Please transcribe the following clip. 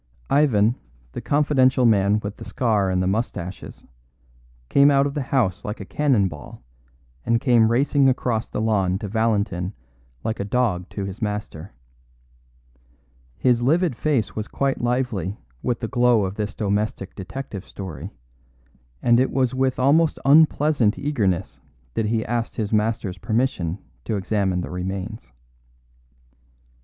Ivan, the confidential man with the scar and the moustaches, came out of the house like a cannon ball, and came racing across the lawn to Valentin like a dog to his master. His livid face was quite lively with the glow of this domestic detective story, and it was with almost unpleasant eagerness that he asked his master's permission to examine the remains.